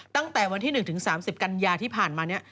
ตั้งแต่วันที่๑ถึง๓๐กันยาที่ผ่านมาเนี่ย